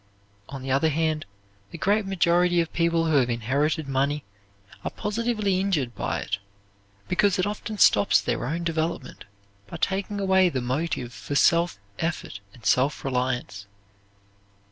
On the other hand, the great majority of people who have inherited money are positively injured by it, because it often stops their own development by taking away the motive for self effort and self reliance.